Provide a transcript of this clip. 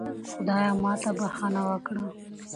خدایا ماته بښنه وکړه